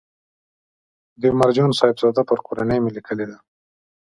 د عمر جان صاحبزاده پر کورنۍ مې لیکلې ده.